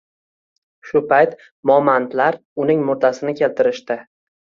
Shu payt momandlar uning murdasini keltirishdi.